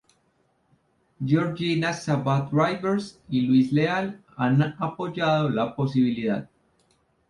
Georgina Sabat-Rivers y Luis Leal han apoyado la posibilidad.